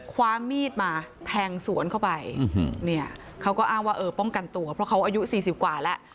ความมีดมาแทงสวนเข้าไปเนี่ยเขาก็อ้างว่าเออป้องกันตัวเพราะเขาอายุ๔๐กว่าแล้ว